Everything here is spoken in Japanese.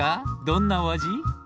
どんなお味？